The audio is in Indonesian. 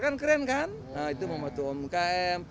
kan keren kan itu membantu umkm